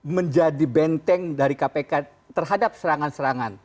menjadi benteng dari kpk terhadap serangan serangan